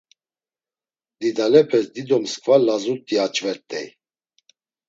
Didalepes dido msǩva lazut̆i aç̌vert̆ey.